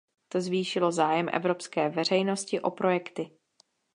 To zvýšilo zájem evropské veřejnosti o projekty.